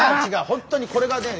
本当にこれがね